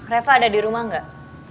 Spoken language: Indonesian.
reva ada di rumah nggak